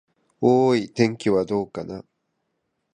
おーーい、天気はどうかな。